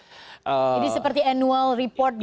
jadi seperti annual report gitu